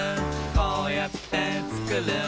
「こうやってつくる